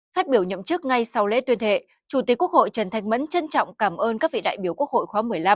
phát biểu nhậm chức ngay sau lễ tuyên thệ chủ tịch quốc hội trần thanh mẫn trân trọng cảm ơn các vị đại biểu quốc hội khóa một mươi năm